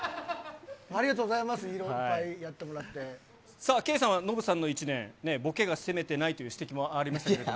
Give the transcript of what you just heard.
ありがとうございます、いろいろさあ、圭さんは、ノブさんの１年、ボケが攻めてないという指摘もありましたけれども。